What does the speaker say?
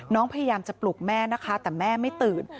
พยายามจะปลุกแม่นะคะแต่แม่ไม่ตื่น